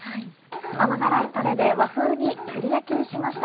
甘辛いたれで和風に照り焼きにしました。